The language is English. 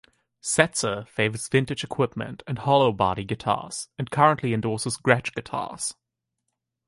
Setzer favours vintage equipment and hollow body guitars, and currently endorses Gretsch guitars.